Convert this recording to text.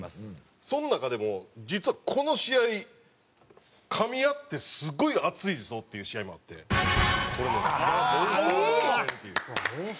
その中でも実はこの試合噛み合ってすごい熱いぞっていう試合もあってこれなんです。